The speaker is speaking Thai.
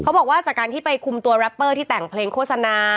บอกว่าจากการที่ไปคุมตัวแรปเปอร์ที่แต่งเพลงโฆษณา